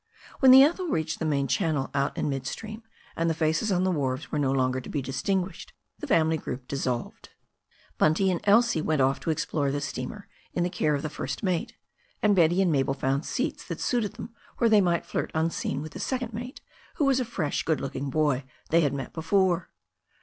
When the Ethel reached the main channel out in mid stream, and the faces on the wharves were no longer to be distinguished, the family group dissolved. Bunty and Elsie went off to explore the steamier in the care of the first mate, and Betty and Mabel found seats that suited them where they might flirt unseen "witYv ^^ ^ifcwwA ToaXfc^ 430 THE STORY OF A NEW ZEALAND RIVER who was a fresh good looking boy they had met before.